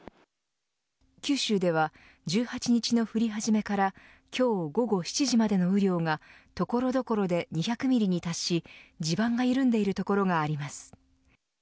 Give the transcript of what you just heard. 九州では１８日の降り始めから今日午後７時までの雨量が所々で２００ミリに達し地盤が緩んでいる所があります。